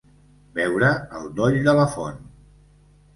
Beure al doll de la font.